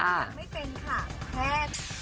ยังไม่เป็นค่ะแค่